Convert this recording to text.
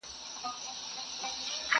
یوه ورځ چي سوه تیاره وخت د ماښام سو!.